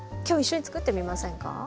今日一緒につくってみませんか？